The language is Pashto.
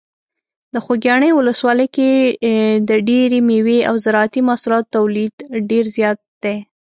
د خوږیاڼي ولسوالۍ کې د ډیری مېوې او زراعتي محصولاتو تولید ډیر زیات دی.